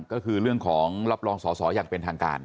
ก็คือเรื่องของรับรองสอสออย่างเป็นทางการ